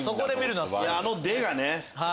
あの「で」がね。